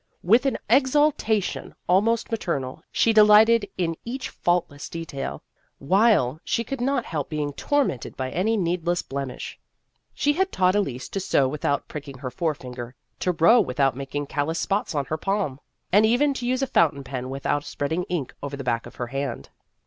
With an exulta tion almost maternal, she delighted in each faultless detail, while she could not help being tormented by any needless blemish. She had taught Elise to sew without pricking her forefinger, to row without making callous spots on her palm, and even to use a fountain pen without spreading ink over the back of her hand.